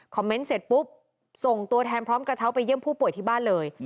เมนต์เสร็จปุ๊บส่งตัวแทนพร้อมกระเช้าไปเยี่ยมผู้ป่วยที่บ้านเลย